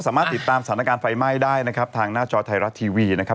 สามารถติดตามศาลการณ์ไฟไหม้ได้ในห้างหน้าจอไทยรัตน์ทีวี